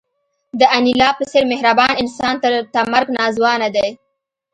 د انیلا په څېر مهربان انسان ته مرګ ناځوانه دی